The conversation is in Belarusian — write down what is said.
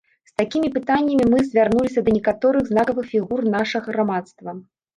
З такімі пытаннямі мы звярнуліся да некаторых знакавых фігур нашага грамадства.